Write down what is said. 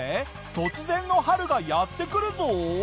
突然の春がやって来るぞ！